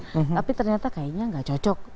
tapi ternyata kayaknya nggak cocok